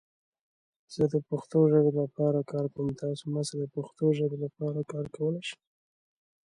There he discovers a clue which gives him hope.